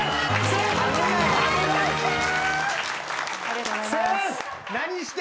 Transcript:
ありがとうございます。